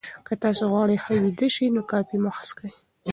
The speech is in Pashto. که تاسي غواړئ ښه ویده شئ، نو کافي مه څښئ.